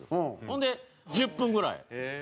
ほんで１０分ぐらい。